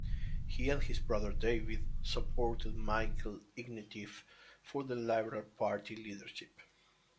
He and his brother David supported Michael Ignatieff for the Liberal party leadership.